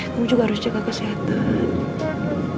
kamu juga harus jaga kesehatan